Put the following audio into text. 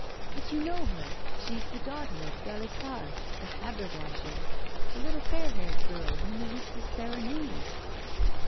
But you know her, she's the daughter of Gallissard, the haberdasher the little fair haired girl whom we used to serenade!